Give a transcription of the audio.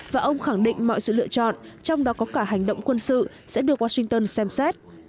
và ông khẳng định mọi sự lựa chọn trong đó có cả hành động quân sự sẽ được washington xem xét